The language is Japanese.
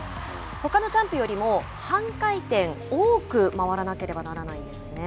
ほかのジャンプよりも半回転多く回らなければならないんですね。